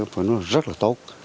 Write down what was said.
phần đó là rất là tốt